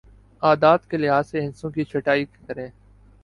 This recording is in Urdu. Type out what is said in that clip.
اعداد کے لحاظ سے ہندسوں کی چھٹائی کریں